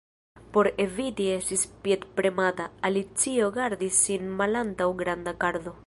Por eviti esti piedpremata, Alicio gardis sin malantaŭ granda kardo.